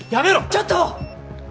ちょっと！